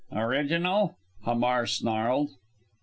"Original!" Hamar snarled.